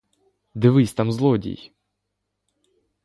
Дивись — там злодій!